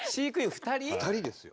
２人ですよ。